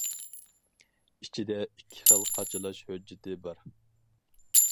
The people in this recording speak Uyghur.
ئىچىدە ئىككى خىل قاچىلاش ھۆججىتى بار.